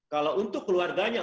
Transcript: kalau untuk keluarganya